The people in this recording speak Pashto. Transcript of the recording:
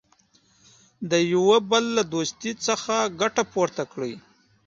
د یوه بل له دوستۍ څخه ګټه پورته کړي.